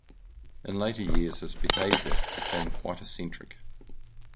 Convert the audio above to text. In later years his behavior became quite eccentric.